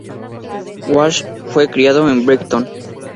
Walsh fue criado en Brighton.